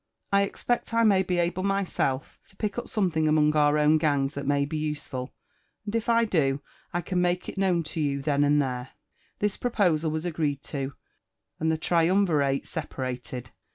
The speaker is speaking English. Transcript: I expect I may be able myself to pick up some !' thing among our own gangs that may be useful; and if t do, I can make it known to you then and there." This proposal was agreed to, and the triumvirate separated.